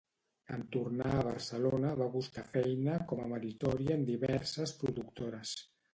En tornar a Barcelona va buscar feina com a meritòria en diverses productores.